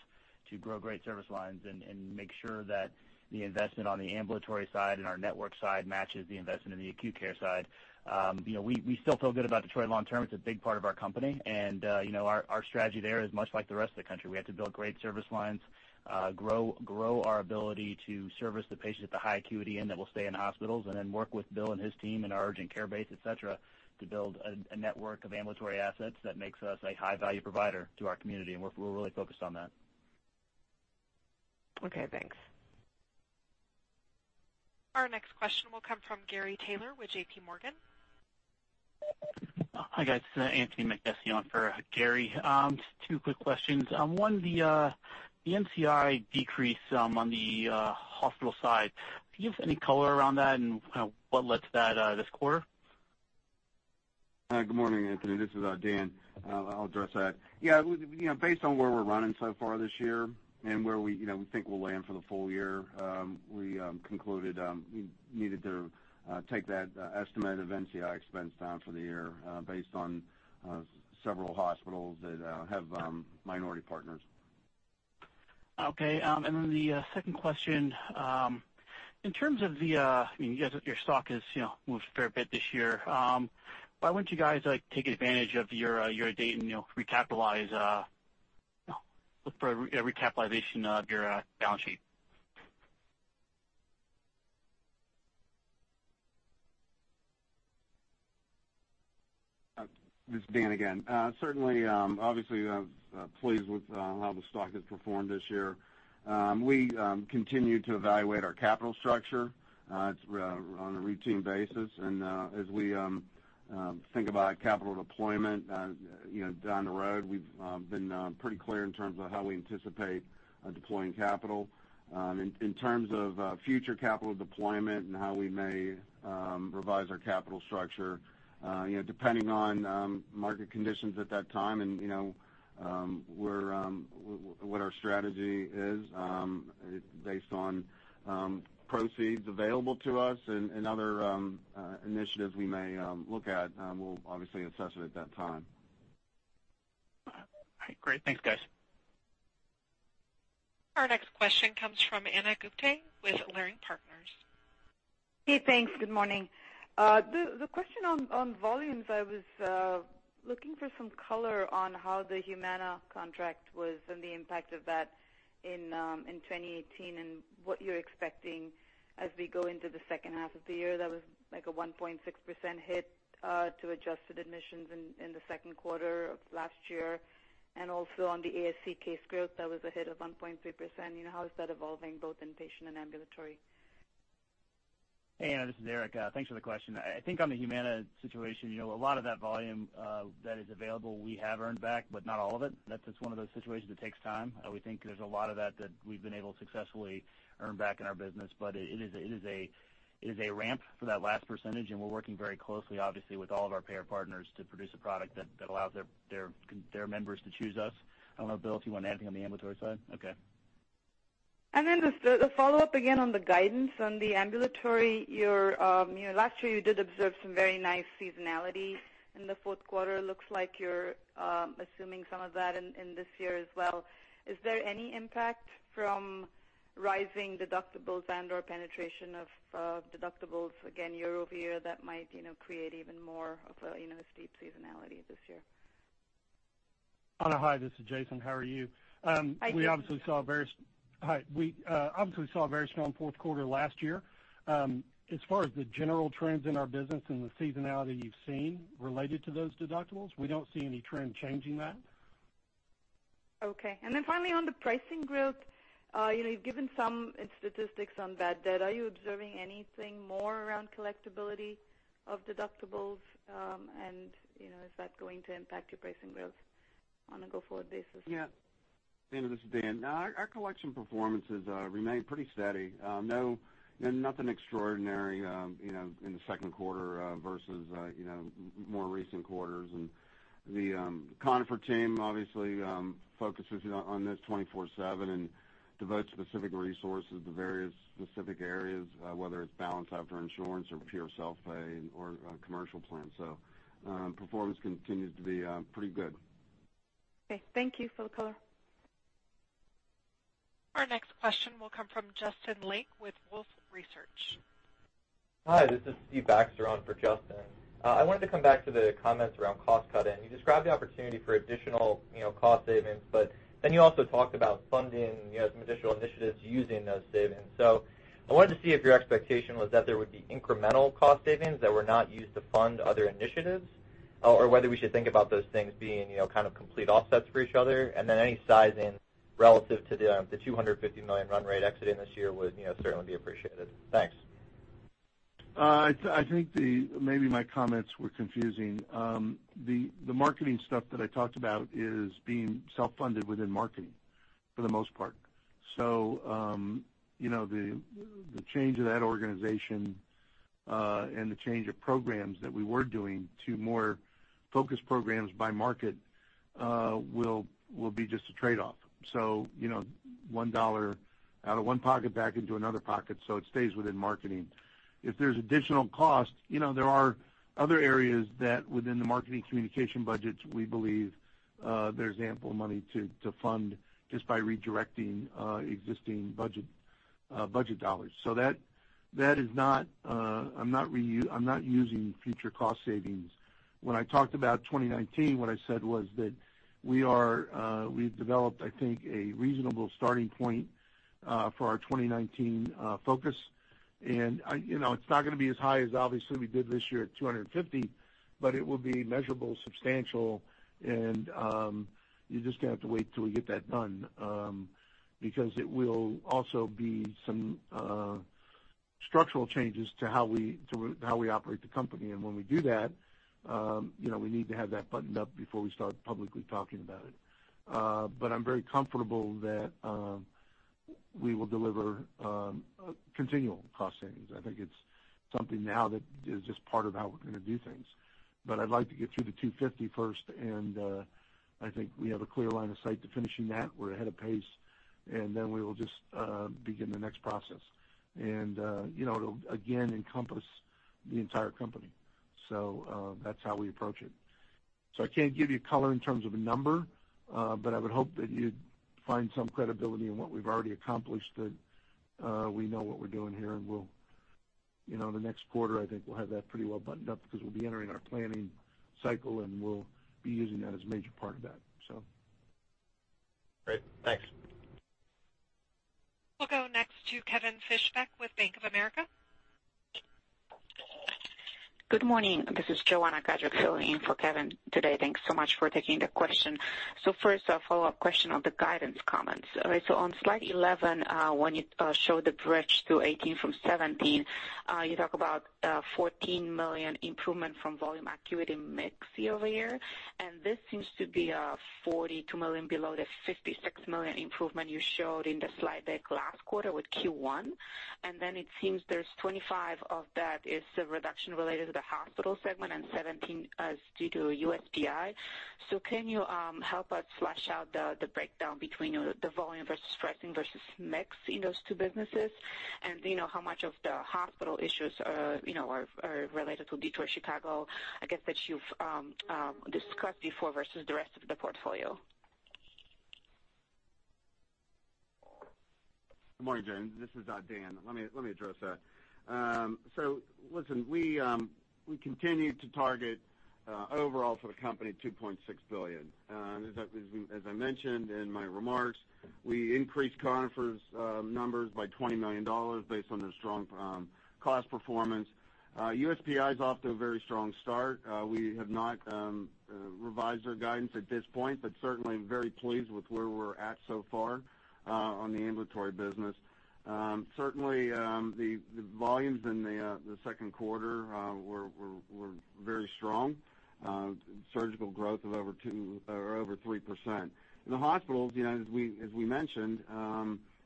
to grow great service lines and make sure that the investment on the ambulatory side and our network side matches the investment in the acute care side. We still feel good about Detroit long term. It's a big part of our company. Our strategy there is much like the rest of the country. We have to build great service lines, grow our ability to service the patients at the high acuity end that will stay in hospitals, and then work with Bill and his team in our urgent care base, et cetera, to build a network of ambulatory assets that makes us a high-value provider to our community. We're really focused on that. Okay, thanks. Our next question will come from Gary Taylor with JP Morgan. Hi, guys. Anthony Makdessi on for Gary. Just two quick questions. One, the NCI decrease on the hospital side. Do you have any color around that and what led to that this quarter? Good morning, Anthony. This is Daniel. I'll address that. Yeah. Based on where we're running so far this year and where we think we'll land for the full year, we concluded we needed to take that estimate of NCI expense down for the year based on several hospitals that have minority partners. Okay. The second question, in terms of your stock has moved a fair bit this year. Why wouldn't you guys take advantage of your debt and recapitalize, look for a recapitalization of your balance sheet? This is Daniel again. Certainly, obviously pleased with how the stock has performed this year. We continue to evaluate our capital structure on a routine basis. As we think about capital deployment down the road, we've been pretty clear in terms of how we anticipate deploying capital. In terms of future capital deployment and how we may revise our capital structure, depending on market conditions at that time and what our strategy is based on proceeds available to us and other initiatives we may look at, we'll obviously assess it at that time. Great. Thanks, guys. Our next question comes from Ana Gupte with Leerink Partners. Hey, thanks. Good morning. The question on volumes, I was looking for some color on how the Humana contract was and the impact of that in 2018, and what you're expecting as we go into the second half of the year. That was, like, a 1.6% hit to adjusted admissions in the second quarter of last year. Also on the ASC case growth, that was a hit of 1.3%. How is that evolving both inpatient and ambulatory? Hey, Ana, this is Eric. Thanks for the question. I think on the Humana situation, a lot of that volume that is available, we have earned back, but not all of it. That's just one of those situations that takes time. We think there's a lot of that we've been able to successfully earn back in our business. It is a ramp for that last percentage, and we're working very closely, obviously, with all of our payer partners to produce a product that allows their members to choose us. I don't know, Bill, if you want to add anything on the ambulatory side? Okay. Just a follow-up again on the guidance on the ambulatory. Last year, you did observe some very nice seasonality in the fourth quarter. Looks like you're assuming some of that in this year as well. Is there any impact from rising deductibles and/or penetration of deductibles, again, year-over-year, that might create even more of a steep seasonality this year? Ana, hi, this is Jason. How are you? Hi, Jason. We obviously saw a very strong fourth quarter last year. As far as the general trends in our business and the seasonality you've seen related to those deductibles, we don't see any trend changing that. Okay. Then finally on the pricing growth, you've given some statistics on bad debt. Are you observing anything more around collectability of deductibles? Is that going to impact your pricing growth on a go-forward basis? Yeah. Ana, this is Daniel. Our collection performances remain pretty steady. Nothing extraordinary in the second quarter versus more recent quarters. The Conifer team obviously, focuses on this 24/7 and devotes specific resources to various specific areas, whether it's balance after insurance or pure self-pay or commercial plans. Performance continues to be pretty good. Okay. Thank you for the color. Our next question will come from Justin Lake with Wolfe Research. Hi, this is Stephen Baxter on for Justin. I wanted to come back to the comments around cost cutting. You described the opportunity for additional cost savings, but then you also talked about funding some additional initiatives using those savings. I wanted to see if your expectation was that there would be incremental cost savings that were not used to fund other initiatives, or whether we should think about those things being kind of complete offsets for each other, and then any sizing relative to the $250 million run rate exit in this year would certainly be appreciated. Thanks. I think maybe my comments were confusing. The marketing stuff that I talked about is being self-funded within marketing for the most part. The change of that organization, and the change of programs that we were doing to more focused programs by market, will be just a trade-off. So, $1 out of one pocket back into another pocket, so it stays within marketing. If there's additional cost, there are other areas that within the marketing communication budgets, we believe, there's ample money to fund just by redirecting existing budget dollars. I'm not using future cost savings. When I talked about 2019, what I said was that we've developed, I think, a reasonable starting point for our 2019 focus. It's not going to be as high as obviously we did this year at 250, but it will be measurable, substantial, and you're just going to have to wait till we get that done, because it will also be some structural changes to how we operate the company. When we do that, we need to have that buttoned up before we start publicly talking about it. I'm very comfortable that we will deliver continual cost savings. I think it's something now that is just part of how we're going to do things. I'd like to get through the 250 first, and I think we have a clear line of sight to finishing that. We're ahead of pace, and then we will just begin the next process. It'll, again, encompass the entire company. That's how we approach it. I can't give you color in terms of a number, but I would hope that you'd find some credibility in what we've already accomplished, that we know what we're doing here, and in the next quarter, I think we'll have that pretty well buttoned up because we'll be entering our planning cycle, and we'll be using that as a major part of that. Great. Thanks. We'll go next to Kevin Fischbeck with Bank of America. Good morning. This is Joanna Gajuk filling in for Kevin today. Thanks so much for taking the question. First, a follow-up question on the guidance comments. On slide 11, when you show the bridge to 2018 from 2017, you talk about a $14 million improvement from volume acuity mix year-over-year. This seems to be $42 million below the $56 million improvement you showed in the slide deck last quarter with Q1. It seems there's 25 of that is the reduction related to the hospital segment and 17 is due to USPI. Can you help us flesh out the breakdown between the volume versus pricing versus mix in those two businesses? Do you know how much of the hospital issues are related to Detroit, Chicago, I guess that you've discussed before versus the rest of the portfolio? Good morning, Joanna. This is Daniel. Let me address that. Listen, we continue to target, overall for the company, $2.6 billion. As I mentioned in my remarks, we increased Conifer's numbers by $20 million based on their strong cost performance. USPI is off to a very strong start. We have not revised our guidance at this point, but certainly very pleased with where we're at so far on the ambulatory business. Certainly, the volumes in the second quarter were very strong. Surgical growth of over 3%. In the hospitals, as we mentioned,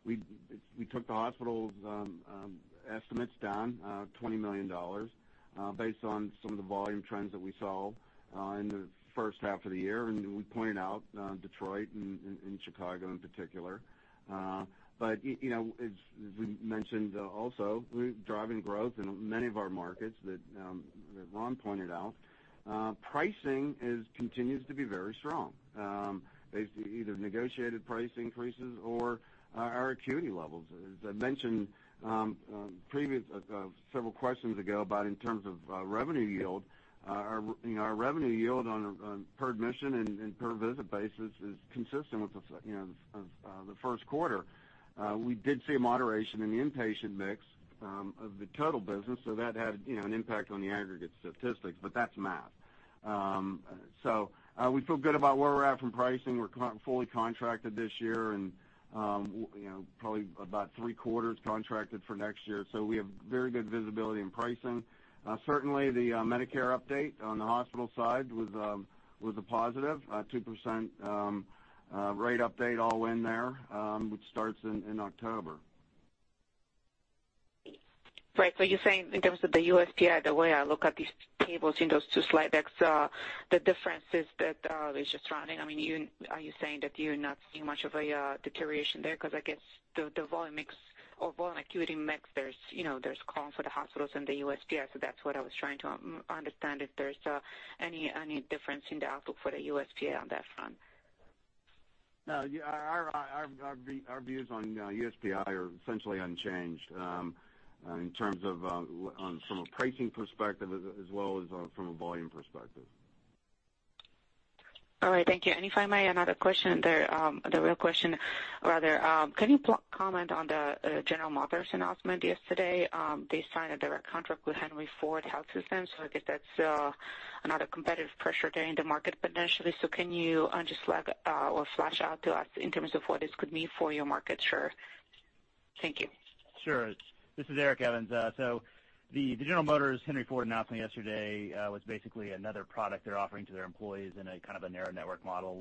we took the hospital's estimates down $20 million, based on some of the volume trends that we saw in the first half of the year. We pointed out Detroit and Chicago in particular. As we mentioned also, we're driving growth in many of our markets that Ronald pointed out. Pricing continues to be very strong. Based either negotiated price increases or our acuity levels. As I mentioned several questions ago, about in terms of revenue yield, our revenue yield on a per admission and per visit basis is consistent with the first quarter. We did see a moderation in the inpatient mix of the total business. That had an impact on the aggregate statistics, but that's math. We feel good about where we're at from pricing. We're fully contracted this year and probably about three quarters contracted for next year. We have very good visibility in pricing. Certainly, the Medicare update on the hospital side was a positive 2% rate update all in there, which starts in October. Right. You're saying in terms of the USPI, the way I look at these tables in those two slide decks, the difference is that it's just running. Are you saying that you're not seeing much of a deterioration there? I guess the volume mix or volume acuity mix, there's call for the hospitals and the USPI. That's what I was trying to understand, if there's any difference in the outlook for the USPI on that front. No, our views on USPI are essentially unchanged in terms of from a pricing perspective, as well as from a volume perspective. All right. Thank you. If I may, another question there, the real question, rather, can you comment on the General Motors announcement yesterday? They signed a direct contract with Henry Ford Health System. I guess that's another competitive pressure during the market potentially. Can you just flesh out to us in terms of what this could mean for your market share? Thank you. Sure. This is Eric Evans. The General Motors Henry Ford announcement yesterday was basically another product they're offering to their employees in a kind of a narrow network model.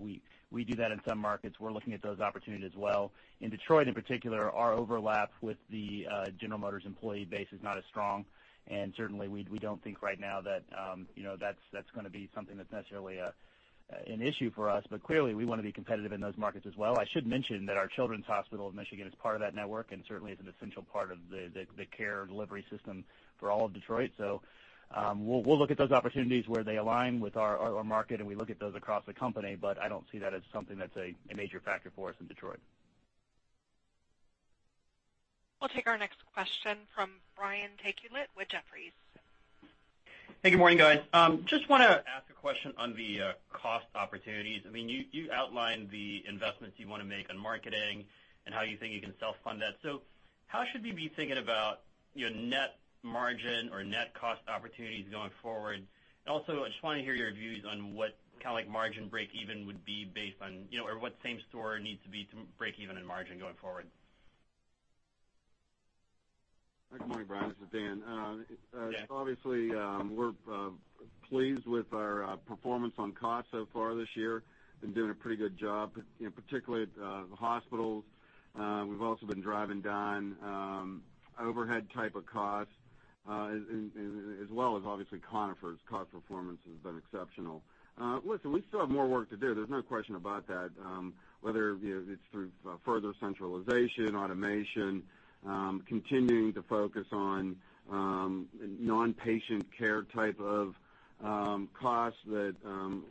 We do that in some markets. We're looking at those opportunities as well. In Detroit, in particular, our overlap with the General Motors employee base is not as strong, and certainly, we don't think right now that's going to be something that's necessarily an issue for us. Clearly, we want to be competitive in those markets as well. I should mention that our Children's Hospital of Michigan is part of that network and certainly is an essential part of the care delivery system for all of Detroit. We'll look at those opportunities where they align with our market, and we look at those across the company. I don't see that as something that's a major factor for us in Detroit. We'll take our next question from Brian Tanquilut with Jefferies. Hey, good morning, guys. Just want to ask a question on the cost opportunities. You outlined the investments you want to make on marketing and how you think you can self-fund that. How should we be thinking about your net margin or net cost opportunities going forward? I just want to hear your views on what kind of margin break even would be based on or what same store needs to be to break even in margin going forward. Good morning, Brian. This is Daniel. Yeah. Obviously, we're pleased with our performance on costs so far this year, been doing a pretty good job, particularly at the hospitals. We've also been driving down overhead type of costs, as well as obviously Conifer's cost performance has been exceptional. Listen, we still have more work to do. There's no question about that. Whether it's through further centralization, automation, continuing to focus on non-patient care type of costs that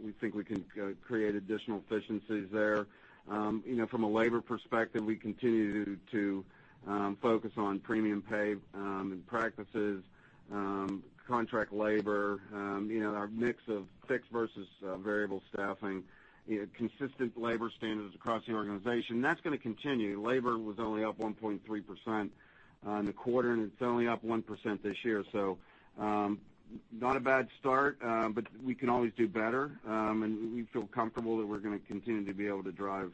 we think we can create additional efficiencies there. From a labor perspective, we continue to focus on premium pay and practices, contract labor, our mix of fixed versus variable staffing, consistent labor standards across the organization. That's going to continue. Labor was only up 1.3% on the quarter, and it's only up 1% this year. Not a bad start. We can always do better, and we feel comfortable that we're going to continue to be able to drive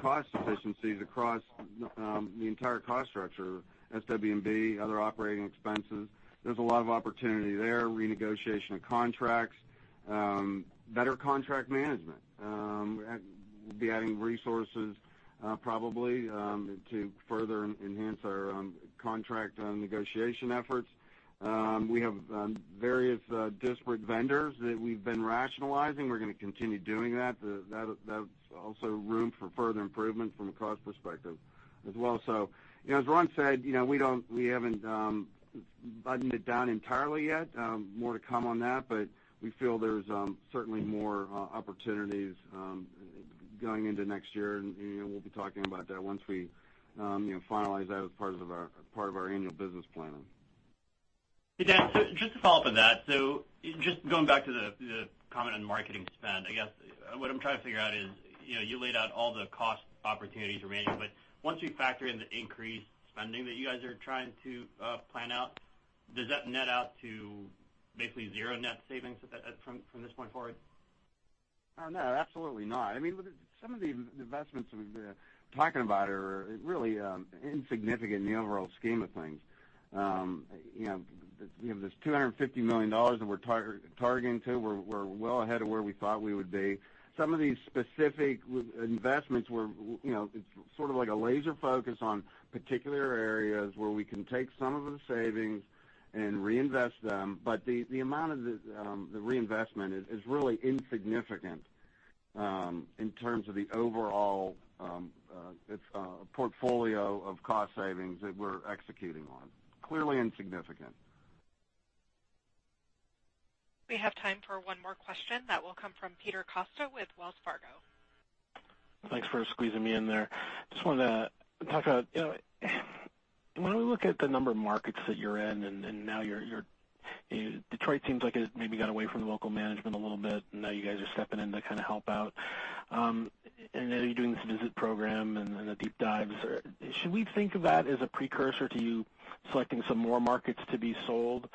cost efficiencies across the entire cost structure, SW&B, other operating expenses. There's a lot of opportunity there. Renegotiation of contracts, better contract management. We'll be adding resources probably to further enhance our contract negotiation efforts. We have various disparate vendors that we've been rationalizing. We're going to continue doing that. That's also room for further improvement from a cost perspective as well. As Ronald said, we haven't buttoned it down entirely yet. More to come on that, but we feel there's certainly more opportunities going into next year, and we'll be talking about that once we finalize that as part of our annual business planning. Hey, Daniel, just to follow up on that, just going back to the comment on marketing spend, I guess what I'm trying to figure out is, you laid out all the cost opportunities remaining, but once we factor in the increased spending that you guys are trying to plan out, does that net out to basically zero net savings from this point forward? No, absolutely not. I mean, some of the investments that we've been talking about are really insignificant in the overall scheme of things. There's $250 million that we're targeting to. We're well ahead of where we thought we would be. Some of these specific investments were sort of like a laser focus on particular areas where we can take some of the savings and reinvest them. The amount of the reinvestment is really insignificant in terms of the overall portfolio of cost savings that we're executing on. Clearly insignificant. We have time for one more question that will come from Peter Costa with Wells Fargo. Thanks for squeezing me in there. Just wanted to talk about, when we look at the number of markets that you're in. Now Detroit seems like it maybe got away from the local management a little bit, and now you guys are stepping in to kind of help out. Now you're doing this visit program and the deep dives. Should we think of that as a precursor to you selecting some more markets to be sold?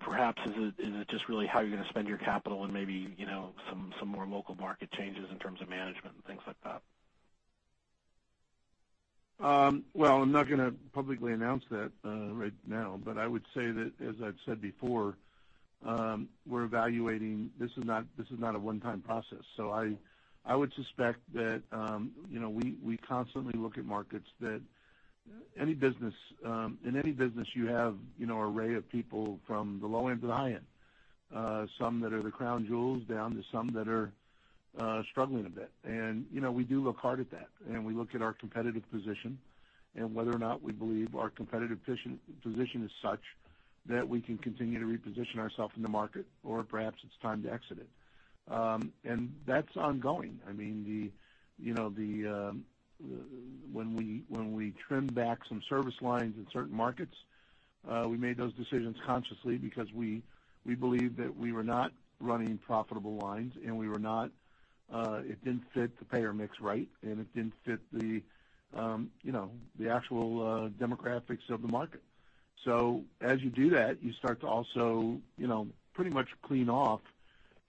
Perhaps, is it just really how you're going to spend your capital and maybe some more local market changes in terms of management and things like that? Well, I'm not going to publicly announce that right now, but I would say that, as I've said before, we're evaluating. This is not a one-time process. I would suspect that we constantly look at markets that in any business you have an array of people from the low end to the high end. Some that are the crown jewels down to some that are struggling a bit. We do look hard at that, and we look at our competitive position and whether or not we believe our competitive position is such that we can continue to reposition ourself in the market, or perhaps it's time to exit it. That's ongoing. I mean, when we trimmed back some service lines in certain markets, we made those decisions consciously because we believed that we were not running profitable lines. It didn't fit the payer mix right, and it didn't fit the actual demographics of the market. As you do that, you start to also pretty much clean off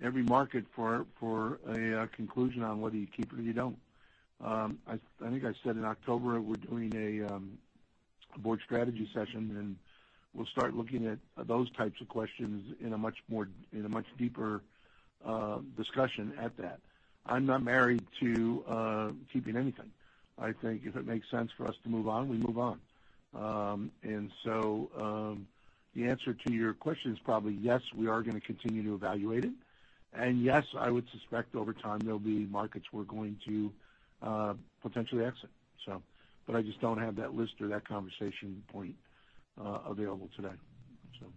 every market for a conclusion on whether you keep it or you don't. I think I said in October, we're doing a board strategy session, and we'll start looking at those types of questions in a much deeper discussion at that. I'm not married to keeping anything. I think if it makes sense for us to move on, we move on. The answer to your question is probably yes, we are going to continue to evaluate it. Yes, I would suspect over time, there'll be markets we're going to potentially exit. I just don't have that list or that conversation point available today.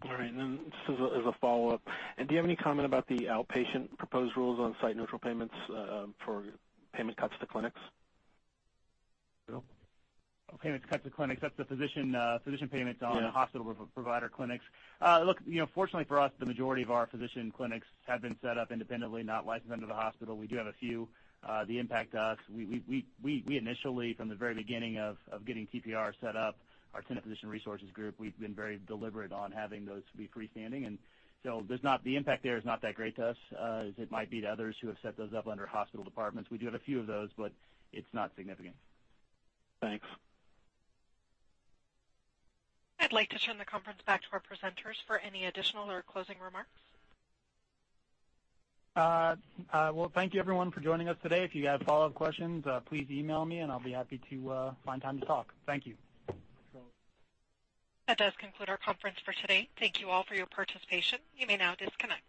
All right. Then just as a follow-up, do you have any comment about the outpatient proposed rules on site neutral payments for payment cuts to clinics? Bill? Payment cuts to clinics, that's the physician payments- Yeah on hospital provider clinics. Look, fortunately for us, the majority of our physician clinics have been set up independently, not licensed under the hospital. We do have a few. The impact to us, we initially, from the very beginning of getting TPR set up, our Tenet Physician Resources group, we've been very deliberate on having those be freestanding. So the impact there is not that great to us as it might be to others who have set those up under hospital departments. We do have a few of those, but it's not significant. Thanks. I'd like to turn the conference back to our presenters for any additional or closing remarks. Well, thank you everyone for joining us today. If you have follow-up questions, please email me, and I'll be happy to find time to talk. Thank you. That's all. That does conclude our conference for today. Thank you all for your participation. You may now disconnect.